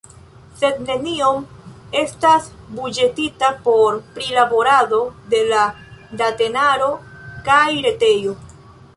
Sed neniom estas buĝetita por prilaborado de la datenaro kaj retejo.